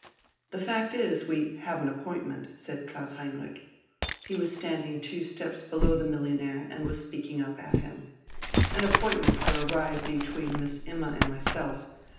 "The fact is, we have an appointment ..." said Klaus Heinrich. He was standing two steps below the millionaire and was speaking up at him. "An appointment for a ride between Miss Imma and myself....